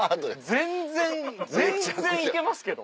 全然全然行けますけど。